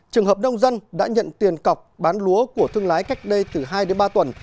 trường hợp nông dân đã nhận tiền cọc bán lúa của thương lái cách đây từ hai đến ba tuần